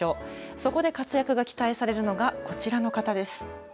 そこで活躍が期待されるのがこちらの方です。